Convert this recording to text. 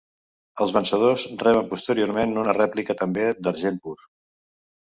Els vencedors reben posteriorment una rèplica també d'argent pur.